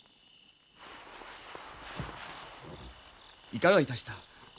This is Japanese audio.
いかがいたした？